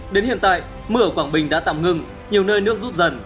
đến hiện tại mưa ở quảng bình đã tạm ngưng nhiều nơi nước rút dần